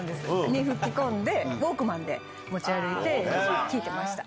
に、吹き込んで、ウォークマンで持ち歩いて、聴いてました。